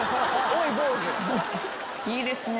いいですね